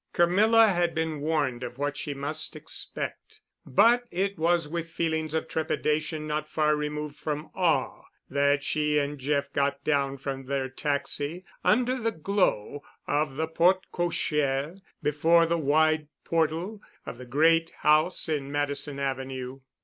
Camilla had been warned of what she must expect, but it was with feelings of trepidation not far removed from awe that she and Jeff got down from their taxi under the glow of the porte cochère before the wide portal of the great house in Madison Avenue.